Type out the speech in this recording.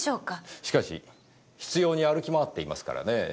しかし執拗に歩き回っていますからねぇ。